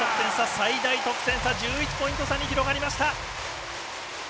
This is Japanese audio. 最大得点差１１ポイント差に広がりました。